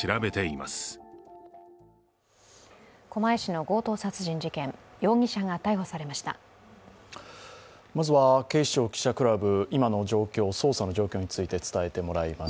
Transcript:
まずは警視庁記者クラブ今の状況、捜査の状況について伝えてもらいます。